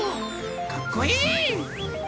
かっこいい！